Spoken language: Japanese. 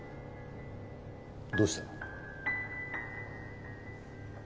どうした？